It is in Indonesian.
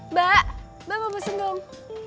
mbak mbak mau pesen dong